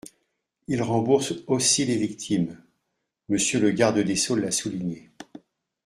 Ils remboursent aussi les victimes – Monsieur le garde des sceaux l’a souligné.